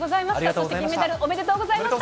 そして金メダル、おめでとうございました。